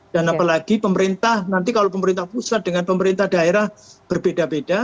dan apalagi pemerintah nanti kalau pemerintah pusat dengan pemerintah daerah berbeda beda